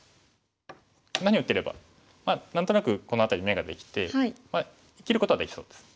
こんなふうに打ってれば何となくこの辺り眼ができて生きることはできそうです。